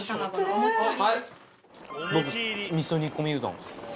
僕味噌煮込みうどん。